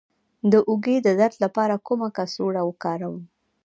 د اوږې د درد لپاره کومه کڅوړه وکاروم؟